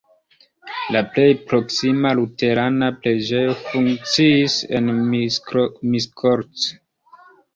La plej proksima luterana preĝejo funkciis en Miskolc.